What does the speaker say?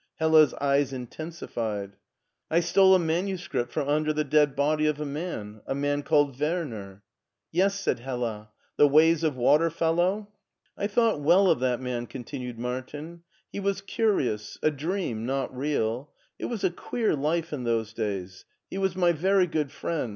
Hella's eyes intensified. " I stole a manuscript from under the dead body of a man — a man called Werner." ''Yes," said Hella; "the 'Ways of Water* fel low?" "I thought well of that man," continued Martin; " he was curious — a dream, not real. It was a queer life in those days! He was my very good friend.